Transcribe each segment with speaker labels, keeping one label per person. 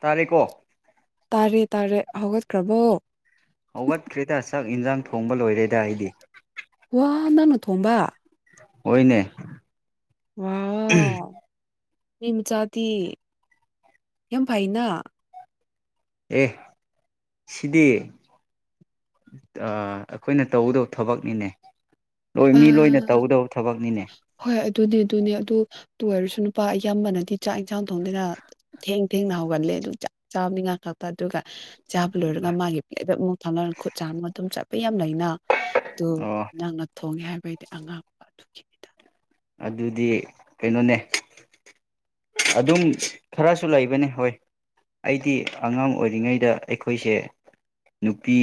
Speaker 1: ꯇꯥꯔꯤ ꯀꯣ
Speaker 2: ꯇꯥꯔꯦ ꯇꯥꯔꯦ ꯍꯧꯒꯠꯈ꯭ꯔꯕꯣ
Speaker 1: ꯍꯧꯒꯠꯈ꯭ꯔꯦꯗ ꯁꯛ ꯏꯟꯁꯥꯡ ꯊꯣꯡꯕ ꯂꯣꯏꯔꯦꯗ ꯑꯩꯗꯤ
Speaker 2: ꯋꯥ ꯅꯪꯅ ꯊꯣꯝꯕ
Speaker 1: ꯍꯣꯏꯅꯦ
Speaker 2: ꯋꯥ ꯃꯤ ꯃꯆꯥꯗꯤꯤ ꯌꯥꯝ ꯐꯩꯅ
Speaker 1: ꯑꯦ ꯁꯤꯗꯤ ꯑꯩꯈꯣꯏꯅ ꯇꯧꯒꯗꯕ ꯊꯕꯛꯅꯤꯅꯦ ꯂꯣꯏ
Speaker 2: ꯑ
Speaker 1: ꯃꯤ ꯂꯣꯏꯅ ꯇꯧꯒꯗꯕ ꯊꯕꯛꯅꯤꯅꯦ
Speaker 2: ꯍꯣꯏ ꯑꯗꯨꯅꯦ ꯑꯗꯨꯅꯦ ꯑꯗꯨ ꯇꯣꯏꯔꯁꯨ ꯅꯨꯄꯥ ꯑꯌꯥꯝꯕꯅꯗꯤ ꯆꯥꯛ ꯏꯟꯁꯥꯡ ꯊꯣꯡꯗꯅ ꯊꯦꯡ ꯊꯦꯡꯅ ꯍꯧꯒꯠꯂꯦ ꯑꯗꯨꯝ ꯆꯥꯛ ꯆꯥꯕꯅꯤ ꯉꯍꯥꯛ ꯈꯛꯇ ꯑꯗꯨꯒ ꯆꯥꯕ ꯂꯣꯏꯔꯒ ꯃꯥꯒꯤ ꯄ꯭ꯂꯦꯗ ꯑꯃꯨꯛ ꯊꯝꯅꯒ ꯈꯨꯠ ꯆꯥꯅ ꯑꯗꯨꯝ ꯆꯠꯄ ꯌꯥꯝ ꯂꯩꯅ ꯑꯗꯨ
Speaker 1: ꯑꯣ
Speaker 2: ꯅꯪꯅ ꯊꯣꯡꯉꯦ ꯍꯥꯏꯕꯩꯗꯤ ꯑꯉꯥꯡ ꯑꯗꯨꯈꯤꯅꯤꯗ
Speaker 1: ꯑꯗꯨꯗꯤ ꯀꯩꯅꯣꯅꯦ ꯑꯗꯨꯝ ꯈꯔꯁꯨ ꯂꯩꯕꯅꯦ ꯍꯣꯏ ꯑꯩꯗꯤ ꯑꯉꯥꯡ ꯑꯣꯏꯔꯤꯉꯩꯗ ꯑꯩꯈꯣꯏꯁꯦ ꯅꯨꯄꯤ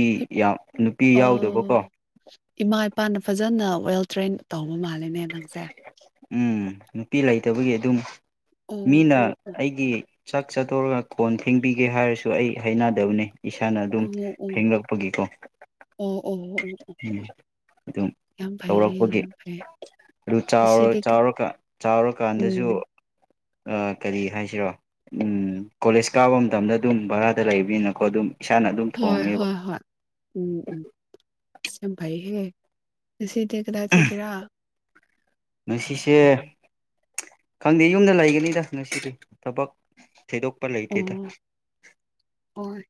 Speaker 1: ꯌꯥꯝ ꯅꯨꯄꯤ ꯌꯥꯎꯗꯕꯀꯣ
Speaker 2: ꯄꯥꯅ ꯐꯖꯅ ꯋꯦꯜ ꯇ꯭ꯔꯦꯟ ꯇꯧꯕ ꯃꯥꯂꯦꯅꯦ ꯅꯪꯁꯦ
Speaker 1: ꯎꯝ ꯅꯨꯄꯤ ꯂꯩꯇꯕꯒꯤ ꯑꯗꯨꯝ
Speaker 2: ꯑꯣ
Speaker 1: ꯃꯤꯅ
Speaker 2: ꯑꯣ
Speaker 1: ꯑꯩꯒꯤ ꯆꯥꯛ ꯆꯥꯊꯧꯣꯔꯒ ꯈꯣꯟ ꯊꯦꯡꯕꯤꯒꯦ ꯍꯥꯏꯔꯁꯨ ꯑꯩ ꯍꯩꯅꯗꯕꯅꯤ ꯏꯁꯥꯅ ꯑꯗꯨꯝ
Speaker 2: ꯑꯣ ꯑꯣ
Speaker 1: ꯐꯦꯡꯂꯛꯄꯒꯤꯀꯣ
Speaker 2: ꯑꯣ ꯑꯣ ꯑꯣ
Speaker 1: ꯎꯝ ꯑꯗꯨꯝ
Speaker 2: ꯌꯥꯝ ꯐꯩꯌꯦ
Speaker 1: ꯇꯧꯔꯛꯄꯒꯤ
Speaker 2: ꯌꯥꯝ ꯐꯩꯌꯦ
Speaker 1: ꯑꯗꯨ ꯆꯥꯎ
Speaker 2: ꯉꯁꯤꯗꯤ ꯈꯤ-
Speaker 1: ꯆꯥꯎꯔꯀꯥꯟ ꯆꯥꯎꯔꯀꯥꯟꯗꯁꯨ
Speaker 2: ꯎꯝ
Speaker 1: ꯀꯔꯤ ꯍꯥꯏꯁꯤꯔꯣ ꯀꯣꯂꯦꯖ ꯀꯥꯕ ꯃꯇꯝꯗ ꯑꯗꯨꯝ ꯚꯔꯥꯗ ꯂꯩꯕꯅꯤꯅꯀꯣ ꯑꯗꯨꯝ ꯏꯁꯥꯅ ꯑꯗꯨꯝ
Speaker 2: ꯍꯣꯏ
Speaker 1: ꯊꯣꯡꯉꯦꯕ
Speaker 2: ꯍꯣꯏ ꯍꯣꯏ ꯎꯝ ꯎꯝ ꯌꯥꯝ ꯐꯥꯏꯍꯦ ꯉꯁꯤꯗꯤ ꯀꯗꯥꯏ ꯆꯠꯀꯦꯔꯥ
Speaker 1: ꯉꯁꯤꯁꯦ ꯈꯪꯗꯦ ꯌꯨꯝꯗ ꯂꯩꯒꯅꯤꯗ ꯉꯁꯤꯗꯤ ꯊꯕꯛ ꯊꯗꯣꯛꯄ
Speaker 2: ꯑꯣ
Speaker 1: ꯂꯣꯏꯇ ꯇ
Speaker 2: ꯍꯣꯏ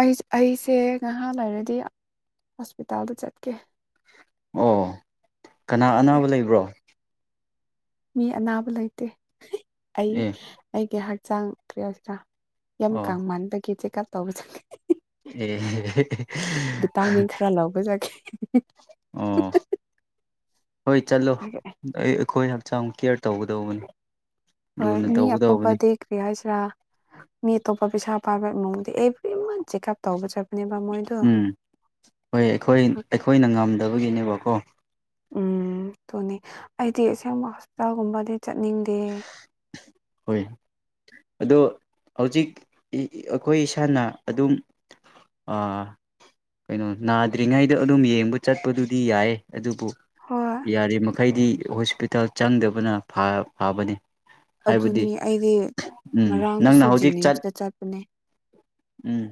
Speaker 2: ꯑꯩꯁꯦ ꯉꯥꯏꯍꯥ ꯂꯩꯔꯗꯤ ꯍꯣꯁꯄꯤꯇꯥꯜꯗ ꯆꯠꯀꯦ
Speaker 1: ꯑꯣ ꯀꯅꯥ
Speaker 2: ꯇꯧꯒꯦ
Speaker 1: ꯑꯅꯥꯕ ꯂꯩꯕ꯭ꯔꯣ
Speaker 2: ꯃꯤ ꯑꯅꯥꯕ ꯂꯩꯇꯦ ꯑꯩ
Speaker 1: ꯑꯦ
Speaker 2: ꯑꯩꯒꯤ ꯍꯛꯆꯥꯡ ꯀꯌꯥꯁꯤꯔ ꯌꯥꯝ ꯀ
Speaker 1: ꯑꯣ
Speaker 2: ꯃꯥꯟꯗꯒꯦ ꯀꯦꯀꯥ ꯇꯧꯁꯒꯦ
Speaker 1: ꯑꯦ
Speaker 2: ꯚꯤꯇꯥꯃꯤꯟ ꯈꯔ ꯂꯧꯕ ꯆꯠꯀꯦ
Speaker 1: ꯑꯣ ꯍꯣꯏ ꯆꯂꯣꯈꯣꯏ ꯍꯛꯆꯥꯡ ꯀꯤꯌꯔ ꯇꯧꯒꯗꯧꯕꯅꯤ
Speaker 2: ꯍꯣꯏ
Speaker 1: ꯂꯨꯅ
Speaker 2: ꯃꯤ
Speaker 1: ꯇꯧꯒꯗꯧꯕꯅꯤ
Speaker 2: ꯑꯄꯣꯞꯄꯗ ꯀ꯭ꯔꯤꯌꯥꯁꯤ꯭ꯔꯥ ꯃꯤ ꯑꯇꯣꯞꯄ ꯄꯩꯁꯥ ꯄꯥꯏꯕ ꯅꯨꯡꯗꯤ ꯑꯦꯕ꯭ꯔꯤ ꯃꯟ ꯆꯦꯛꯑꯞ ꯇꯧꯕ ꯆꯠ
Speaker 1: ꯎꯝ ꯍꯣꯏ ꯑꯩꯈꯣꯏ ꯑꯩꯈꯣꯏꯅ ꯉꯝꯗꯕꯒꯤꯅꯦꯕꯀꯣ
Speaker 2: ꯎꯝ ꯑꯗꯨꯨꯅꯦ ꯑꯩꯗꯤ ꯑꯁꯦꯡꯕ ꯍꯣꯁꯄꯤꯇꯥꯜꯒꯨꯝꯕꯗꯤ ꯆꯠꯅꯤꯡꯗꯦ
Speaker 1: ꯍꯣꯏ ꯑꯗꯣ ꯍꯧꯖꯤꯛ ꯑꯩꯈꯣꯏ ꯏꯁꯥꯅ ꯑꯗꯨꯝ ꯑꯥ ꯀꯩꯅꯣ ꯅꯥꯗ꯭ꯔꯤꯉꯩꯗ ꯑꯗꯨꯝ ꯌꯦꯡꯕ ꯆꯠꯄꯗꯨꯗꯤ ꯌꯥꯏ ꯑꯗꯨꯕꯨ
Speaker 2: ꯍꯣꯏ
Speaker 1: ꯌꯥꯔꯤꯕꯃꯩꯗꯤ ꯍꯣꯁꯄꯤꯇꯥꯜ ꯆꯪꯗꯕꯅ ꯐꯥꯕꯅꯤ ꯍꯥꯏꯕꯗꯤ
Speaker 2: ꯑꯗꯨꯅꯤ ꯑꯩꯗꯤ
Speaker 1: ꯎꯝ ꯅꯪꯅ
Speaker 2: ꯉꯔꯥꯡꯗꯨꯁꯨ
Speaker 1: ꯍꯧꯖꯤꯛ ꯆꯠ
Speaker 2: ꯖꯤꯅꯤꯝꯁꯇ ꯆꯠꯄꯅꯦ
Speaker 1: ꯎꯝ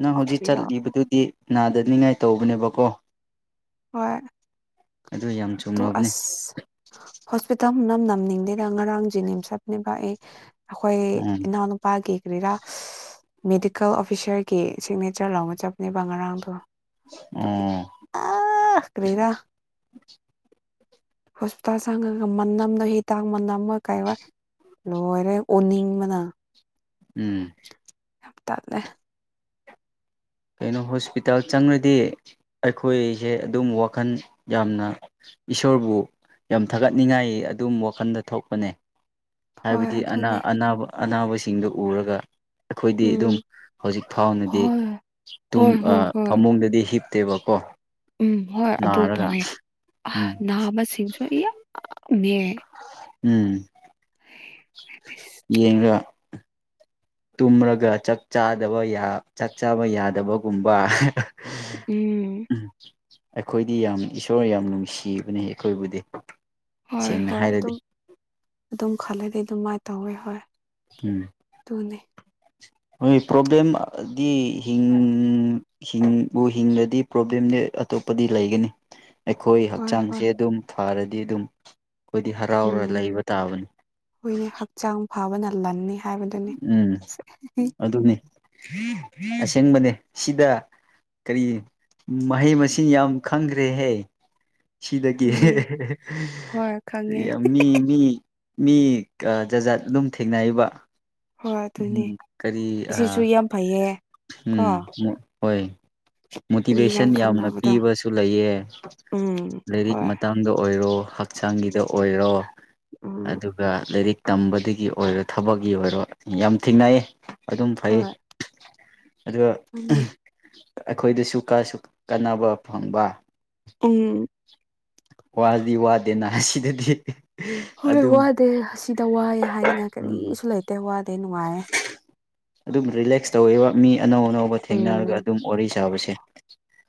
Speaker 1: ꯅ ꯍꯧꯖꯤ ꯆꯠ
Speaker 2: ꯀꯔꯤꯔꯥ
Speaker 1: ꯏꯕꯗꯨꯗꯤ ꯅꯥꯗ ꯆꯅꯤꯡꯉꯥꯏ ꯇꯧꯕꯅꯦꯕꯀꯣ
Speaker 2: ꯍꯣꯏ
Speaker 1: ꯑꯗꯨ ꯌꯥꯝ
Speaker 2: ꯇ
Speaker 1: ꯆꯨꯝꯃꯕꯅꯦ
Speaker 2: ꯑꯁ ꯍꯣꯁꯄꯤꯇꯥꯜ ꯅꯝ ꯅ ꯇꯝꯅꯤꯡꯗꯦꯗ ꯉꯔꯥꯡ ꯖꯦꯅꯤꯝꯁꯞꯅꯦꯕ ꯑꯩ ꯑꯩꯈꯣꯏ
Speaker 1: ꯎꯝ
Speaker 2: ꯏꯅꯥꯎꯅꯨꯄꯥ ꯀ ꯀꯔꯤꯔꯥ ꯃꯦꯗꯤꯀꯦꯜ ꯑꯣꯐꯤꯁꯔꯒꯤ ꯁꯤꯒꯅꯦꯆꯔ ꯂꯥꯎꯅ ꯆꯕꯅꯦꯕ ꯉꯔꯥꯡꯗꯣ
Speaker 1: ꯎꯝ
Speaker 2: ꯑꯥ ꯀꯔꯤꯔꯥ ꯍꯣꯁꯄꯤꯇꯥꯜ ꯁꯥꯡꯉꯒ ꯃꯅ ꯅꯝꯅꯣ ꯍꯤꯇꯥꯡ ꯃ ꯅꯝꯃ ꯀꯥꯏꯋꯥ ꯂꯣꯏꯔꯦ ꯑꯣꯅꯤꯡꯕꯅ
Speaker 1: ꯎꯝ
Speaker 2: ꯍ ꯇꯗꯅꯦ
Speaker 1: ꯀꯩꯅꯣ ꯍꯣꯁꯄꯤꯇꯥꯜ ꯆꯪꯉꯗꯤ ꯑꯩꯈꯣꯏꯁꯦ ꯑꯗꯨꯝ ꯋꯥꯈꯜ ꯌꯥꯝꯅ ꯏꯁꯣꯔꯕꯨ ꯌꯥꯝ ꯊꯥꯒꯠꯅꯤꯡꯉꯥꯏ ꯑꯗꯨꯝ ꯋꯥꯈꯜꯗ ꯊꯣꯛꯄꯅꯦ
Speaker 2: ꯍꯣꯏ
Speaker 1: ꯍꯥꯏꯕꯗꯤ ꯑ
Speaker 2: ꯑꯗꯨꯅꯦ
Speaker 1: ꯑꯅꯥꯕ ꯑꯅꯥꯕꯁꯤꯡꯗꯨ ꯎꯔꯒ ꯑꯩꯈꯣꯏꯗꯤ
Speaker 2: ꯎꯝ
Speaker 1: ꯑꯗꯨꯝ ꯍꯧꯖꯤꯛ ꯐꯥꯎꯅꯗꯤ
Speaker 2: ꯍꯣꯏ ꯍꯣꯏ ꯍꯣꯏ ꯍꯣꯏ
Speaker 1: ꯐꯃꯨꯡꯗꯗꯤ ꯍꯤꯞ ꯇꯦꯚ
Speaker 2: ꯎꯝ ꯍꯣꯏ ꯑꯗꯨ ꯇꯧꯋꯦ
Speaker 1: ꯎꯝ
Speaker 2: ꯅꯍꯅꯥꯕ ꯃꯁꯤꯡꯁꯨ ꯃ
Speaker 1: ꯎꯝ ꯌꯦꯒ ꯇꯨꯝꯔꯒ ꯆꯥꯛ ꯆꯥꯗꯕ ꯆꯥꯛ ꯆꯥꯕ ꯌꯥꯗꯕꯒꯨꯝꯕ
Speaker 2: ꯎꯝ
Speaker 1: ꯑꯩꯈꯣꯏꯗꯤ ꯌꯥꯝ ꯏꯁꯣꯔ ꯌꯥꯝ ꯅꯨꯡꯁꯤꯕꯅꯤ ꯑꯩꯈꯣꯏꯕꯨꯗꯤ
Speaker 2: ꯍꯣꯏ
Speaker 1: ꯁꯦꯡꯅ
Speaker 2: ꯍꯣꯏ ꯑꯗꯨꯝ
Speaker 1: ꯍꯥꯏꯔꯗꯤ
Speaker 2: ꯑꯗꯨꯝ ꯈꯜꯂꯗꯤ ꯑꯗꯨꯃꯥꯏꯅ ꯇꯧꯋꯦ ꯍꯣꯏ
Speaker 1: ꯎꯝ
Speaker 2: ꯇꯨꯡꯅꯤ
Speaker 1: ꯍꯣꯏ ꯄ꯭ꯔꯣꯕ꯭ꯂꯦꯝꯗꯤ ꯍꯤꯡ ꯍꯤꯡꯕꯨ ꯍꯤꯡꯉꯗꯤ ꯄ꯭ꯔꯣꯕ꯭ꯂꯦꯝꯅꯦ ꯑꯇꯣꯞꯄꯗꯤ ꯂꯩꯒꯅꯤ ꯑꯩꯈꯣꯏ
Speaker 2: ꯍꯣꯏ
Speaker 1: ꯍꯛꯆꯥꯡꯁꯦ
Speaker 2: ꯍꯣꯏ
Speaker 1: ꯑꯗꯨꯝ ꯐꯔꯗꯤ ꯑꯗꯨꯝ ꯑꯩꯈꯣꯏꯗꯤ ꯍꯔꯥꯎꯔ
Speaker 2: ꯎꯝ
Speaker 1: ꯂꯩꯕ ꯇꯥꯕꯅꯤ
Speaker 2: ꯍꯣꯏꯅꯦ ꯍꯛꯆꯥꯡ ꯐꯕꯅ ꯂꯟꯅꯤ ꯍꯥꯏꯕꯗꯨꯅꯤ
Speaker 1: ꯎꯝ ꯑꯗꯨꯅꯤ ꯑꯁꯦꯡꯕꯅꯦ ꯁꯤꯗ ꯀꯔꯤ ꯃꯍꯩ ꯃꯁꯤꯡ ꯌꯥꯝ ꯈꯪꯈ꯭ꯔꯦꯍꯦ ꯁꯤꯗꯒꯤ
Speaker 2: ꯑꯗꯨꯅꯦ ꯍꯣꯏ ꯈꯪꯉꯦ
Speaker 1: ꯌꯥꯝ ꯃꯤ ꯃꯤ ꯃꯤ ꯖꯥꯖꯥꯠ ꯑꯗꯨꯝ ꯊꯦꯡꯅꯔꯤꯕ
Speaker 2: ꯍꯣꯏ ꯑꯗꯨꯅꯦ
Speaker 1: ꯎꯝ ꯀꯔꯤ ꯑ
Speaker 2: ꯑꯁꯤꯁꯨ ꯌꯥꯝ ꯐꯩꯌꯦ ꯀꯣ
Speaker 1: ꯎꯝ ꯍꯣꯏ
Speaker 2: ꯃꯤ ꯌꯥꯝ
Speaker 1: ꯃꯣꯇꯤꯚꯦꯁꯟ ꯌꯥꯝꯅ
Speaker 2: ꯈꯪꯅꯕꯗꯣ
Speaker 1: ꯄꯤꯕꯁꯨ ꯂꯩꯌꯦ
Speaker 2: ꯎꯝ
Speaker 1: ꯂꯥꯏꯔꯤꯛ
Speaker 2: ꯍꯣꯏ
Speaker 1: ꯃꯇꯥꯡꯗ ꯑꯣꯏꯔꯣ ꯍꯛꯆꯥꯡꯒꯤꯗ ꯑꯣꯏꯔꯣ
Speaker 2: ꯎꯝ
Speaker 1: ꯑꯗꯨꯒ ꯂꯥꯏꯔꯤꯛ ꯇꯝꯕꯗꯒꯤ ꯑꯣꯏꯔꯣ ꯊꯕꯛꯀꯤ ꯑꯣꯏꯔꯣ ꯌꯥꯝ ꯊꯦꯡꯅꯩ ꯑꯗꯨꯝ ꯐꯩ
Speaker 2: ꯍꯣꯏ
Speaker 1: ꯑꯗꯨꯒ
Speaker 2: ꯑꯗꯨꯅꯦ
Speaker 1: ꯑꯩꯈꯣꯏꯗꯁꯨ ꯀꯔꯁꯨ ꯀꯥꯟꯅꯕ ꯐꯪꯕ
Speaker 2: ꯎꯝ
Speaker 1: ꯋꯥꯗꯤ ꯋꯥꯗꯦꯅꯍ ꯁꯤꯗꯗꯤ
Speaker 2: ꯍꯣꯏ ꯋꯥꯗꯦ ꯑꯁꯤꯗ ꯋꯥꯑꯦ ꯍꯥꯏꯅꯤꯡꯉꯥꯏ
Speaker 1: ꯎꯝ
Speaker 2: ꯀꯔꯤꯁꯨ ꯂꯩꯇꯦ ꯋꯥꯗꯦ ꯅꯨꯡꯉꯥꯏꯌꯦ
Speaker 1: ꯑꯗꯨꯝ ꯔꯤꯂꯦꯛꯁ ꯇꯧꯋꯦꯕ ꯃꯤ ꯑꯅꯧ ꯑꯅꯧꯕ ꯊꯦꯡꯅꯔꯒ
Speaker 2: ꯎꯝ
Speaker 1: ꯑꯗꯨꯝ ꯋꯥꯔꯤ ꯁꯥꯕꯁꯦ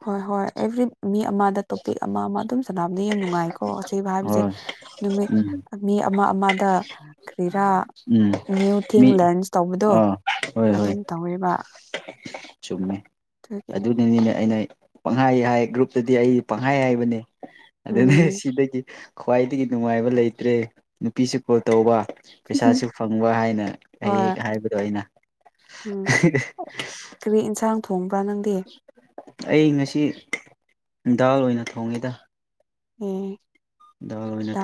Speaker 2: ꯍꯣꯏ ꯍꯣꯏ ꯑꯦꯚ꯭ꯔꯤ ꯃꯤ ꯑꯃꯗ ꯇꯣꯄꯤꯛ ꯑꯃ ꯑꯃ ꯑꯗꯨꯝ ꯁꯅꯕ ꯑꯗꯨ ꯌꯥꯝ ꯅꯨꯡꯉꯥꯏꯀꯣ ꯑꯁꯤꯕ ꯍꯥꯏꯕꯁꯦ
Speaker 1: ꯍꯣꯏ
Speaker 2: ꯅꯨꯃꯤꯠ
Speaker 1: ꯎꯝ
Speaker 2: ꯃꯤ ꯑꯃ ꯑꯃꯗ ꯔꯤꯔꯥ
Speaker 1: ꯎꯝ
Speaker 2: ꯅ꯭ꯌꯨ ꯊꯤꯡ
Speaker 1: ꯃꯤ
Speaker 2: ꯂꯔꯟꯁ ꯇꯧꯕꯗꯣ
Speaker 1: ꯑꯥ ꯍꯣꯏ ꯍꯣꯏ
Speaker 2: ꯑꯗꯨꯝ ꯇꯧꯋꯦꯕ
Speaker 1: ꯆꯨꯝꯃꯦ
Speaker 2: ꯑꯗꯨꯒꯤ
Speaker 1: ꯑꯗꯨꯅꯅꯤꯅꯦ ꯑꯩꯅ ꯄꯪꯍꯥꯏ ꯍꯥꯏ ꯒ꯭ꯔꯨꯞꯇꯗꯤ ꯑꯩꯗꯤ ꯄꯪꯍꯥꯏ ꯍꯥꯏꯕꯅꯦ ꯑꯗꯨꯅ
Speaker 2: ꯎꯝ
Speaker 1: ꯁꯤꯗꯒꯤ ꯈ꯭ꯋꯥꯏꯗꯒꯤ ꯅꯨꯡꯉꯥꯏꯕ ꯂꯩꯇ꯭ꯔꯦ ꯅꯨꯄꯤꯁꯤ ꯀꯣꯜ ꯇꯧꯕ ꯄꯩꯁꯥꯁꯨ ꯐꯪꯕ ꯍꯥꯏꯅ ꯍꯦꯛ
Speaker 2: ꯍꯣꯏ
Speaker 1: ꯍꯥꯏꯕꯗꯣ ꯑꯩꯅ
Speaker 2: ꯎꯝ ꯀꯔꯤ ꯏꯟꯁꯥꯡ ꯊꯣꯡꯕ꯭ꯔꯥ ꯅꯪꯗꯤ
Speaker 1: ꯑꯩ ꯉꯁꯤ ꯗꯥꯜ ꯑꯣꯏꯅ ꯊꯣꯡꯉꯦꯗ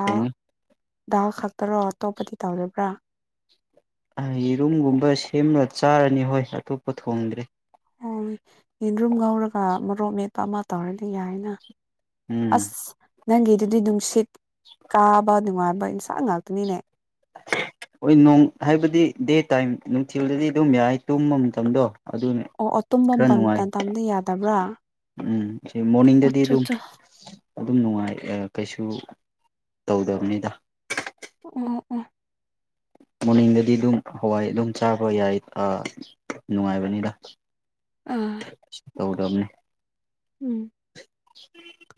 Speaker 1: ꯊꯣꯡꯉꯤ
Speaker 2: ꯈꯇꯔ ꯑꯇꯣꯞꯄꯗꯤ ꯇꯧꯔꯕ꯭ꯔꯥ
Speaker 1: ꯌꯦꯔꯨꯝꯒꯨꯝꯕ ꯁꯦꯝꯂ ꯆꯥꯔꯅꯤ ꯍꯣꯏ ꯑꯇꯣꯞꯄ ꯊꯣꯡꯗ꯭ꯔꯦ
Speaker 2: ꯑꯣ ꯌꯦꯟꯗ꯭ꯔꯨꯝ ꯉꯧꯔꯒ ꯃꯔꯣꯛ ꯃꯦꯠꯄ ꯑꯃ ꯇꯧꯔꯗꯤ ꯌꯥꯏꯅ
Speaker 1: ꯎꯝ
Speaker 2: ꯑꯁ ꯅꯪꯒꯤꯗꯨꯗꯤ ꯅꯨꯡꯁꯤꯠ ꯀꯥꯕ ꯅꯨꯡꯉꯥꯏꯕ ꯏ ꯊ ꯉꯥꯛꯇꯅꯤꯅꯦ
Speaker 1: ꯍꯣꯏ ꯅꯣꯡ ꯍꯥꯏꯕꯗꯤ ꯗꯦ ꯇꯥꯏꯝ ꯅꯨꯡꯊꯤꯜꯗꯗꯤ ꯑꯗꯨꯝ ꯌꯥꯏ ꯇꯨꯝꯕ ꯃꯇꯝꯗꯣ ꯑꯗꯨꯅ
Speaker 2: ꯑꯣ ꯇꯨꯝꯐꯝ
Speaker 1: ꯈꯔ ꯅꯨꯡꯉꯥꯏ
Speaker 2: ꯄꯇ ꯇꯝꯗꯤ ꯌꯥꯗꯕ꯭ꯔꯥ
Speaker 1: ꯎꯝ ꯁꯤ ꯃꯣꯔꯅꯤꯡꯗꯗꯤ
Speaker 2: ꯑꯣꯠꯆꯣ
Speaker 1: ꯑꯗꯨꯝ
Speaker 2: ꯆꯣ
Speaker 1: ꯑꯗꯨꯝ ꯅꯨꯡꯉꯥꯏ ꯀꯩꯁꯨ ꯇꯧꯗꯕꯅꯤꯗ
Speaker 2: ꯎ ꯎ
Speaker 1: ꯃꯣꯔꯅꯤꯡꯗꯗꯤ ꯑꯗꯨꯝ ꯍꯋꯥꯏ ꯑꯗꯨꯝ ꯆꯥꯕ ꯌꯥꯏ ꯅꯨꯡꯉꯥꯏꯕꯅꯤꯗ
Speaker 2: ꯑꯥ
Speaker 1: ꯇꯧꯗꯕꯅꯤ
Speaker 2: ꯎꯝ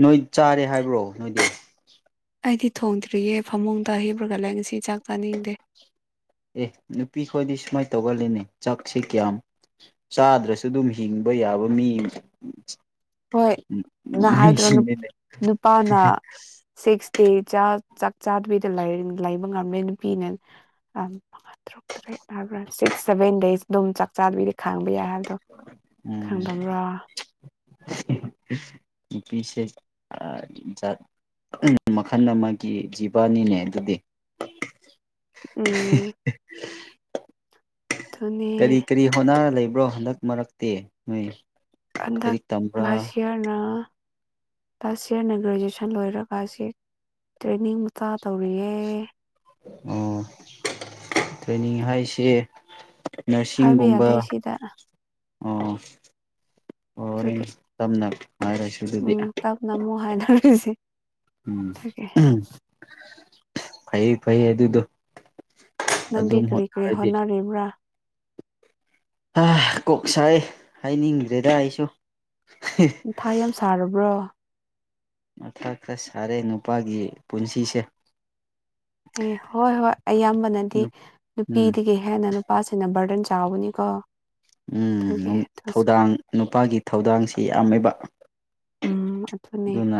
Speaker 1: ꯅꯣꯏ ꯆꯥꯔꯦ ꯍꯥꯏꯕ꯭ꯔꯣ ꯅꯣꯏꯗꯤ
Speaker 2: ꯑꯩꯗꯤ ꯊꯣꯡꯗ꯭ꯔꯤꯌꯦꯦ ꯐꯃꯨꯡꯗ ꯍꯤꯕ꯭ꯔꯒꯂ ꯉꯁꯤ ꯆꯥꯛ ꯆꯥꯅꯤꯡꯗꯦ
Speaker 1: ꯑꯦ ꯅꯨꯄꯤ ꯈꯣꯏꯗꯤ ꯁꯨꯃꯥꯏꯅ ꯇꯧꯒꯜꯂꯤꯅꯦ ꯆꯥꯛꯁꯦ ꯀꯌꯥꯝ ꯆꯥꯗ꯭ꯔꯁꯨ ꯑꯗꯨꯝ ꯍꯤꯡꯕ ꯌꯥꯕ ꯃꯤ
Speaker 2: ꯍꯣꯏ ꯅ ꯍꯥꯏꯗ꯭ꯔꯣ
Speaker 1: ꯃꯤꯁꯤꯡꯅꯤꯅꯦ
Speaker 2: ꯅꯨꯄꯥꯅ ꯁꯤꯛꯁ ꯗꯦ ꯆꯥꯛ ꯆꯥꯗꯕꯤꯗ ꯂꯥꯏꯕ ꯉꯝꯃꯦ ꯅꯨꯄꯤꯅꯥ ꯇꯔꯨꯛꯇ꯭ꯔꯦ ꯍꯥꯏꯕ꯭ꯔꯥ ꯁꯤ ꯁꯚꯦꯟ ꯗꯦꯖ ꯑꯗꯨꯝ ꯆꯥꯛ ꯆꯥꯗꯒꯤꯗꯤ ꯈꯥꯡꯕ ꯌꯥꯏ ꯍꯥꯏꯕꯗꯣ ꯈꯥꯡꯗꯝꯕ꯭ꯔꯣ
Speaker 1: ꯄꯁꯦ ꯑ ꯆꯥꯛ ꯃꯈꯜ ꯑꯃꯒꯤ ꯖꯤꯕꯥꯅꯤꯅꯦ ꯑꯗꯨꯗꯤ
Speaker 2: ꯎꯝ ꯑꯗꯨꯅꯦ
Speaker 1: ꯀꯔꯤ ꯀꯔꯤ ꯍꯣꯠꯅꯔ ꯂꯩꯕ꯭ꯔꯣ ꯍꯟꯗꯛ ꯃꯔꯛꯇꯤ ꯅꯣꯏ
Speaker 2: ꯑꯗ
Speaker 1: ꯂꯥꯏꯔꯤꯛ ꯇꯝꯕ꯭ꯔꯥ
Speaker 2: ꯁꯌꯅ ꯐꯥꯁ ꯏꯌꯥꯔꯅ ꯒ꯭ꯔꯦꯖꯨꯋꯦꯁꯟ ꯂꯣꯏꯔꯒ ꯇ꯭ꯔꯦꯅꯤꯡ ꯇꯧꯔꯤꯌꯦꯦ
Speaker 1: ꯑꯣ ꯇ꯭ꯔꯦꯅꯤꯡ ꯍꯥꯏꯁꯦ
Speaker 2: ꯍꯥꯏꯕ
Speaker 1: ꯅꯔꯁꯤꯡꯒꯨꯝꯕ
Speaker 2: ꯌꯥꯗꯦ ꯁꯤꯗ
Speaker 1: ꯑꯣ ꯑꯣ
Speaker 2: ꯑꯗꯨꯒꯤ
Speaker 1: ꯇꯝꯅ ꯍꯥꯏꯔꯁꯤ ꯑꯗꯨꯗꯤ
Speaker 2: ꯎꯝ ꯇꯥꯞꯅ ꯃꯨ ꯍꯥꯏꯅꯔꯁꯤ
Speaker 1: ꯐ ꯐꯩ ꯑꯗꯨꯗ
Speaker 2: ꯅꯪꯗꯤ
Speaker 1: ꯑꯗꯨꯝ
Speaker 2: ꯀꯔꯤ ꯀꯔꯤ
Speaker 1: ꯍꯣꯠꯅꯔꯗꯤ
Speaker 2: ꯍꯣꯠꯅꯔꯤꯕ꯭ꯔꯥ
Speaker 1: ꯀꯣꯛ ꯁꯥꯏ ꯍꯥꯏꯅꯤꯡꯗ꯭ꯔꯦꯗ ꯑꯩꯁꯨ
Speaker 2: ꯊꯥ ꯌꯥꯝ ꯁꯥꯔꯕ꯭ꯔꯣ
Speaker 1: ꯃꯊꯥ ꯈꯔ ꯁꯥꯔꯦ ꯅꯨꯄꯥꯒꯤ ꯄꯨꯟꯁꯤꯁꯦ
Speaker 2: ꯑꯦ ꯍꯣꯏ ꯍꯣꯏ ꯑꯌꯥꯝꯕꯅꯗꯤ
Speaker 1: ꯎꯝ
Speaker 2: ꯅꯨꯄꯤꯗꯒꯤ ꯍꯦꯟꯅ ꯅꯨ ꯄꯥꯁꯤꯅ ꯕꯔꯗꯟ ꯆꯥꯎꯕꯅꯤꯀꯣ ꯑꯗꯨꯒꯤ
Speaker 1: ꯎꯝ
Speaker 2: ꯑꯗꯨꯁꯨ
Speaker 1: ꯊꯧꯗꯥꯡ ꯅꯨꯄꯥꯒꯤ ꯊꯧꯗꯥꯡꯁꯤ ꯌꯥꯝꯃꯦꯕ
Speaker 2: ꯎꯝ ꯑꯗꯨꯊꯅꯦ
Speaker 1: ꯑꯗꯨꯅ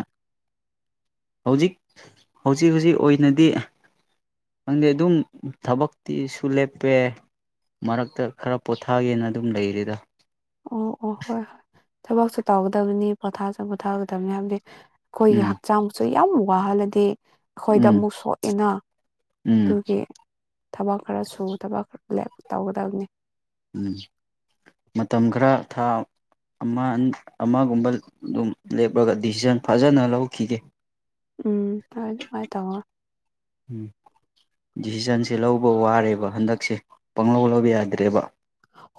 Speaker 1: ꯍꯧꯖꯤꯛ ꯍꯧꯖꯤꯛ ꯍꯧꯖꯤꯛ ꯑꯣꯏꯅꯗꯤ ꯈꯪꯗꯦ ꯑꯗꯨꯝ ꯊꯕꯛꯇꯤꯁꯨ ꯂꯦꯞꯄꯦ ꯃꯔꯛꯇ ꯈꯔ ꯄꯣꯊꯥꯒꯦꯅ ꯑꯗꯨꯝ ꯂꯩꯔꯦꯗ
Speaker 2: ꯑꯣ ꯑꯣ ꯍꯣꯏ ꯍꯣꯏ ꯊꯕꯛꯁꯨ ꯇꯧꯒꯗꯕꯅꯤ ꯄꯣꯊꯥꯁꯨ ꯄꯣꯊꯥꯒꯗꯕꯅꯤ ꯍꯥꯏꯕꯗꯤ ꯑꯩꯈꯣꯏꯒꯤ
Speaker 1: ꯎꯝ
Speaker 2: ꯍꯛꯆꯥꯡꯁꯨ ꯌꯥꯝ ꯋꯥꯍꯜꯂꯗꯤ ꯑꯩꯈꯣꯏꯗ
Speaker 1: ꯎꯝ
Speaker 2: ꯑꯃꯨꯛ ꯁꯣꯛꯑꯦꯅ
Speaker 1: ꯎꯝ
Speaker 2: ꯑꯗꯨꯒꯤ ꯊꯕꯛ ꯈꯔ ꯁꯨ ꯊꯕꯛ ꯈꯔ ꯂ ꯇꯧꯒꯗꯕꯅꯤ
Speaker 1: ꯎꯝ ꯃꯇꯝ ꯈꯔ ꯊꯥ ꯑꯃ ꯑꯃꯒꯨꯝꯕ ꯑꯗꯨꯝ ꯂꯦꯞꯂꯒ ꯗꯤꯁꯤꯖꯟ ꯐꯖꯅ ꯂꯧꯈꯤꯒꯦ
Speaker 2: ꯎꯝ ꯇ ꯑꯗꯨꯃꯥꯏ ꯇꯃꯣ
Speaker 1: ꯎꯝ ꯗꯤꯁꯤꯖꯟꯁꯦ ꯂꯧꯕ ꯋꯥꯔꯦꯕ ꯍꯟꯗꯛꯁꯦ ꯄꯥꯡ ꯂꯧ ꯂꯧꯕ ꯌꯥꯗ꯭ꯔꯦꯕ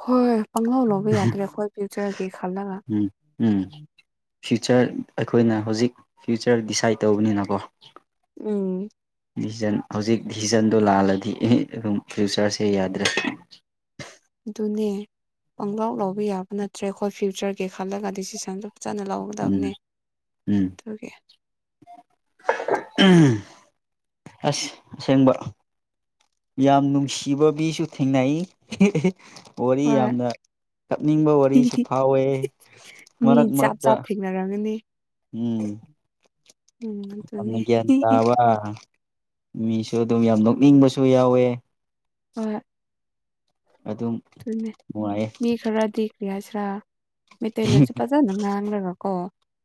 Speaker 2: ꯍꯣꯏ ꯍꯣꯏ ꯄꯥꯡꯍꯧ ꯂꯧꯕ ꯌꯥꯗ꯭ꯔꯦ ꯑꯩꯈꯣꯏ ꯐ꯭ꯌꯨꯆꯔꯒꯤ ꯈꯜꯂꯒ
Speaker 1: ꯎꯝ ꯎꯝ ꯐ꯭ꯌꯨꯆꯔ ꯑꯩꯈꯣꯏꯅ ꯍꯧꯖꯤꯛ ꯐ꯭ꯌꯨꯆꯔ ꯗꯤꯁꯥꯏꯠ ꯇꯧꯕꯅꯤꯅꯀꯣ
Speaker 2: ꯎꯝ
Speaker 1: ꯗꯤꯖꯟ ꯍꯧꯖꯤꯛ ꯗꯤꯖꯟꯗꯣ ꯂꯥꯜꯂꯗꯤ ꯑꯗꯨꯝ ꯐ꯭ꯌꯨꯆꯔꯁꯦ ꯌꯥꯗ꯭ꯔꯦ
Speaker 2: ꯄꯂꯥꯎ ꯂꯧꯕ ꯌꯥꯕ ꯅꯠꯇ꯭ꯔꯦ ꯑꯩꯈꯣꯏ ꯐ꯭ꯌꯨꯆꯔꯒꯤ ꯈꯜꯂꯒ ꯗꯤꯁꯤꯖꯟꯗꯨ ꯆꯅ
Speaker 1: ꯎꯝ
Speaker 2: ꯂꯧꯒꯗꯕꯅꯤ
Speaker 1: ꯎꯝ
Speaker 2: ꯑꯗꯨꯒꯤ
Speaker 1: ꯑꯁ ꯑꯁꯦꯡꯕ ꯌꯥꯝ ꯅꯨꯡꯁꯤꯕ ꯃꯤꯁꯨ ꯊꯦꯡꯅꯩ ꯋꯥꯔꯤ
Speaker 2: ꯍꯣꯏ
Speaker 1: ꯌꯥꯝꯅ ꯆꯠꯅꯤꯡꯕ ꯋꯥꯔꯤꯁꯨ ꯐꯥꯎꯋꯦ
Speaker 2: ꯃꯤ
Speaker 1: ꯃꯔꯛ
Speaker 2: ꯖꯥꯠ
Speaker 1: ꯃꯔꯛꯇ
Speaker 2: ꯖꯥꯠ ꯊꯦꯡꯅꯔꯝꯒꯅꯤ
Speaker 1: ꯎꯝ
Speaker 2: ꯎꯝ
Speaker 1: ꯌꯥꯝꯅ
Speaker 2: ꯑꯗꯨꯅꯤ
Speaker 1: ꯒ꯭ꯌꯥꯟ ꯇꯥꯕ ꯃꯤꯁꯨ ꯑꯗꯨꯝ ꯌꯥꯝ ꯅꯣꯛꯅꯤꯡꯕꯁꯨ ꯌꯥꯎꯋꯦ
Speaker 2: ꯑ
Speaker 1: ꯑꯗꯨꯝ
Speaker 2: ꯇ
Speaker 1: ꯅꯨꯡꯉꯥꯏꯌꯦ
Speaker 2: ꯃꯤ ꯈꯔ ꯗ ꯂ ꯈ꯭ꯔ ꯃꯩꯇꯩꯂꯣꯟꯁ ꯐꯖꯅ ꯉꯥꯡꯈꯒꯀꯣ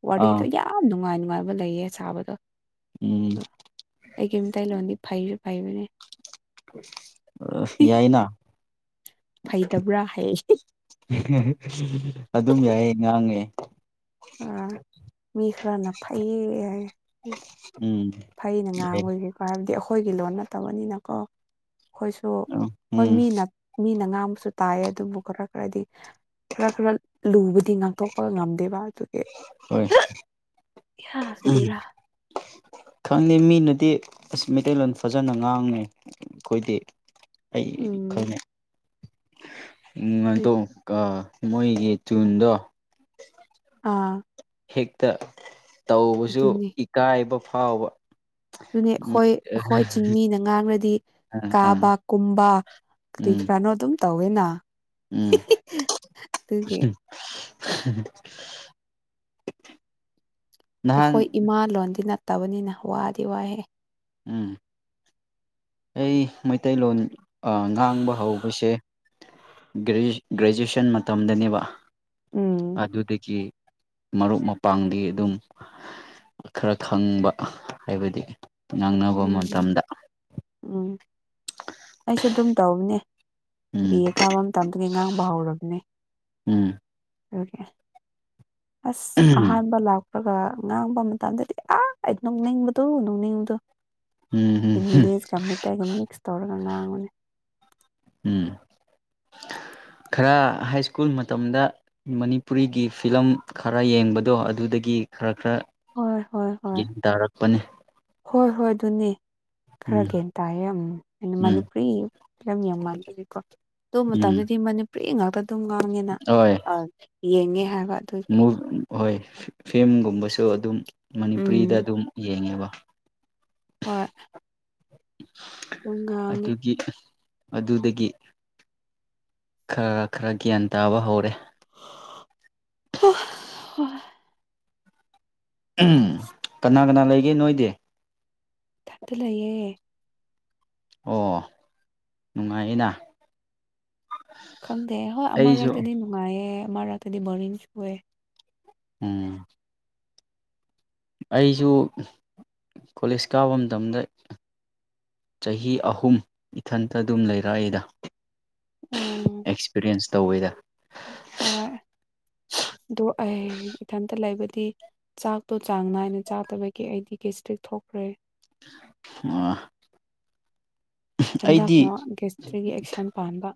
Speaker 2: ꯋꯥꯔꯤꯗꯣ
Speaker 1: ꯑꯥ
Speaker 2: ꯌꯥꯝ ꯅꯨꯡꯉꯥꯏꯅꯤ ꯅꯨꯡꯉꯥꯏꯕ ꯂꯩꯌꯦ ꯁꯥꯕꯗꯣ
Speaker 1: ꯎꯝ
Speaker 2: ꯑ ꯑꯩꯒꯤ ꯃꯤꯇꯩꯂꯣꯟꯗꯤ ꯐꯩꯁꯨ ꯐꯩꯕꯅꯦ
Speaker 1: ꯌꯥꯏꯅ
Speaker 2: ꯐꯩꯗꯕ꯭ꯔꯥ ꯍꯥꯏ
Speaker 1: ꯑꯗꯨꯝ ꯌꯥꯏ ꯉꯥꯡꯉꯦ
Speaker 2: ꯑ ꯃꯤꯈ꯭ꯔꯅ ꯐꯩ ꯍꯥꯏ
Speaker 1: ꯎꯝ
Speaker 2: ꯐꯩꯅ
Speaker 1: ꯌꯥꯏ
Speaker 2: ꯉꯥꯡꯉꯣꯏꯒꯦꯀꯣ ꯍꯥꯏꯕꯗꯤ ꯑꯣꯏ ꯑꯩꯈꯣꯏꯒꯤ ꯂꯣꯟ ꯅꯠꯇꯕꯅꯤꯅꯀꯣ ꯑꯩꯈꯣꯏꯁꯨ ꯍꯣꯏ
Speaker 1: ꯎꯝ
Speaker 2: ꯃꯤꯅ ꯃꯤꯅ ꯉꯥꯥꯡ ꯇꯥꯏ ꯑꯗꯨꯕꯨ ꯈꯔ ꯈꯔꯗꯤ ꯈꯔ ꯈꯔ ꯂꯨꯕꯗꯤ ꯉꯥꯛꯊꯣꯛꯄꯒ ꯉꯝꯗꯦꯕ ꯑꯗꯨ
Speaker 1: ꯍꯣꯏ
Speaker 2: ꯏꯍꯥ ꯀꯔꯤꯔꯥ
Speaker 1: ꯈꯪꯗꯦ ꯃꯤꯅꯗꯤ ꯑꯁ ꯃꯩꯇꯩꯂꯣꯟ ꯐꯖꯅ ꯉꯥꯡꯉꯤ ꯑꯩꯈꯣꯏꯗꯤ ꯑꯩ
Speaker 2: ꯎꯝ
Speaker 1: ꯈꯪꯉꯩ ꯎꯝ ꯑꯗꯣ ꯃꯣꯏꯒꯤ ꯆꯨꯟꯗꯣ
Speaker 2: ꯑꯥ
Speaker 1: ꯍꯦꯛꯇ ꯇꯧꯕꯁꯨ
Speaker 2: ꯑꯗꯨꯅꯤ
Speaker 1: ꯏꯀꯥꯏꯕ ꯐꯥꯎꯕ
Speaker 2: ꯑꯗꯨꯅꯤ
Speaker 1: ꯎꯝ
Speaker 2: ꯑꯩꯈꯣꯏ ꯑꯩꯈꯣꯏ ꯆꯤꯡꯃꯤꯅ ꯉꯥꯡꯔꯗꯤ ꯀꯥꯕ
Speaker 1: ꯑꯥ
Speaker 2: ꯀꯨꯝꯕ ꯀ꯭ꯔꯤ
Speaker 1: ꯎꯝ
Speaker 2: ꯔꯅꯣ ꯑꯗꯨꯨ ꯇꯧ
Speaker 1: ꯎꯝ
Speaker 2: ꯑꯗꯨꯒꯤ
Speaker 1: [inaudible] ꯅꯍꯥꯟ
Speaker 2: ꯑꯩꯈꯣꯏ ꯏꯃꯥ ꯂꯗꯤ ꯅꯠꯇꯕꯅꯤꯅ ꯋꯥꯗꯤ ꯋꯥꯍꯦ
Speaker 1: ꯎꯝ ꯑꯩ ꯃꯩꯇꯩꯂꯣꯟ ꯉꯥꯡꯕ ꯍꯧꯕꯁꯦ ꯒ꯭ꯔꯦꯖꯨꯌꯦꯁꯟ ꯃꯇꯝꯗꯅꯦꯕ
Speaker 2: ꯎꯝ
Speaker 1: ꯑꯗꯨ ꯑꯗꯨꯗꯒꯤ ꯃꯔꯨꯞ ꯃꯄꯥꯡꯗꯤ ꯑꯗꯨꯝ ꯈꯔ ꯈꯪꯕ ꯍꯥꯏꯕꯗꯤ ꯉꯥꯡꯅꯕ
Speaker 2: ꯎꯝ
Speaker 1: ꯃꯇꯝꯗ
Speaker 2: ꯎꯝ ꯑꯩꯁꯨ ꯑꯗꯨꯝ ꯇꯧꯕꯅꯦ
Speaker 1: ꯎꯝ
Speaker 2: ꯕꯤ ꯀꯥꯕ ꯃꯇꯝꯗꯨꯒꯤ ꯉꯥꯡꯕ ꯍꯧꯔꯕꯅꯦ
Speaker 1: ꯎꯝ
Speaker 2: ꯑꯣꯀꯦ ꯑꯁ ꯑꯍꯥꯟꯕ ꯂꯥꯛ ꯀꯒ ꯉꯥꯡꯕ ꯃꯇꯝꯗꯗꯤ ꯑꯥ ꯑꯩ ꯅꯣꯛꯅꯤꯡꯕꯗꯣ ꯅꯣꯛꯅꯤꯡꯕꯗꯣ
Speaker 1: ꯎꯝ
Speaker 2: ꯏꯪꯂꯤꯁꯀ ꯃꯦꯇꯩꯒ ꯃꯤꯛꯁ ꯇꯧꯔꯒ ꯉꯥꯡꯕꯨꯅꯤ
Speaker 1: ꯎꯝ ꯈꯔ ꯍꯥꯏ ꯁ꯭ꯀꯨꯜ ꯃꯇꯝꯗ ꯃꯅꯤꯄꯨꯔꯤꯒꯤ ꯐꯤꯂꯝ ꯈꯔ ꯌꯦꯡꯕꯗꯣ ꯑꯗꯨꯗꯒꯤ ꯒꯤ ꯈꯔ ꯈꯔ
Speaker 2: ꯍꯣꯏ ꯍꯣꯏ ꯍꯣꯏ
Speaker 1: ꯌꯦꯟ ꯇꯥꯔꯛꯄꯅꯤ
Speaker 2: ꯍꯣꯏ ꯍꯣꯏ ꯑꯗꯨꯅꯦ ꯈꯔ
Speaker 1: ꯎꯝ
Speaker 2: ꯒ꯭ꯌꯥꯟ ꯇꯥꯏꯌꯦ ꯑꯩꯅ
Speaker 1: ꯎꯝ
Speaker 2: ꯃꯅꯤꯄꯨꯔꯤ ꯐꯤꯂꯝ ꯌꯥꯝ ꯃꯥꯟꯅꯒꯀꯣ ꯑꯗꯨ
Speaker 1: ꯎꯝ
Speaker 2: ꯃꯇꯝꯗꯗꯤ ꯃꯅꯤꯄꯨꯔꯤ ꯉꯥꯛꯇ ꯑꯗꯨꯝ ꯉꯥꯡꯉꯦꯅ
Speaker 1: ꯍꯣꯏ
Speaker 2: ꯌꯦꯡꯉꯦ ꯍꯥꯏꯕ ꯑꯗꯨꯒꯤ
Speaker 1: ꯍꯣꯏ ꯐꯤꯂꯝꯒꯨꯝꯕꯁꯨ ꯑꯗꯨꯝ ꯃꯅꯤꯄꯨꯔꯤꯗ
Speaker 2: ꯎꯝ
Speaker 1: ꯑꯗꯨꯝ ꯌꯦꯡꯉꯦꯕ
Speaker 2: ꯍꯣꯏ ꯄꯨꯡ ꯉꯥꯡꯉꯦ
Speaker 1: ꯑꯗꯨꯒꯤ ꯑꯗꯨꯗꯒꯤ ꯈꯔ ꯈꯔ ꯒ꯭ꯌꯥꯟ ꯇꯥꯕ ꯍꯧꯔꯦ
Speaker 2: [unintelligible]
Speaker 1: ꯀꯅꯥ ꯀꯅꯥ ꯂꯩꯒꯦ ꯅꯣꯏꯗꯤ
Speaker 2: ꯀꯠꯇꯂꯑꯦ
Speaker 1: ꯑꯣ ꯅꯨꯡꯉꯥꯏꯌꯦꯅ
Speaker 2: ꯈꯪꯗꯦ ꯍꯣꯏ ꯑ ꯑꯃꯥ
Speaker 1: ꯑꯩꯁꯨ
Speaker 2: ꯔꯇꯗꯤ ꯅꯨꯡꯉꯥꯏꯌꯦ ꯑꯥ ꯔꯠꯇꯗꯤ ꯕꯔꯤꯡ ꯁꯨꯑꯦ
Speaker 1: ꯎꯝ ꯑꯩꯁꯨ ꯀꯣꯂꯦꯖ ꯀꯥꯕ ꯃꯇꯝꯗ ꯆꯍꯤ ꯑꯍꯨꯝ ꯏꯊꯟꯇ ꯑꯗꯨꯝ ꯂꯩꯔꯛꯑꯏꯗ ꯑꯦꯛꯁꯄꯤꯔꯤꯌꯦꯟꯁ ꯇꯧꯋꯦꯗ
Speaker 2: ꯍ ꯑꯗꯣ ꯑꯩ ꯏꯊꯟꯇ ꯂꯩꯕꯗꯤ ꯆꯥꯛꯇꯣ ꯆꯥꯡ ꯅꯥꯏꯅ ꯆꯥꯗꯕꯒꯤ ꯑꯩꯗꯤ ꯀꯩ ꯁꯇꯤꯛ ꯊꯣꯛꯈ꯭ꯔꯦ
Speaker 1: ꯑ
Speaker 2: ꯍꯟꯗꯛꯅ ꯒꯦꯁꯇ꯭ꯔꯤꯒꯤ ꯑꯦꯛꯁꯟ ꯄꯥꯟꯕ